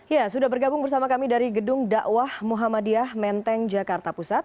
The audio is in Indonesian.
ya sudah bergabung bersama kami dari gedung dakwah muhammadiyah menteng jakarta pusat